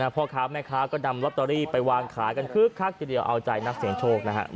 พ่อค้าแม่ค้าก็นำลอตเตอรี่ไปวางขายกันคึกคักทีเดียวเอาใจนักเสียงโชคนะครับ